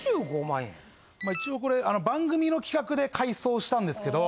まあ一応これ番組の企画で改装したんですけど。